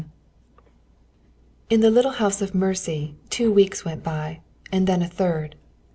XIX In the little house of mercy two weeks went by, and then a third.